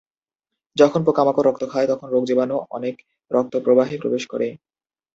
যখন পোকামাকড় রক্ত খায়, তখন রোগজীবাণু অনেক রক্ত প্রবাহে প্রবেশ করে।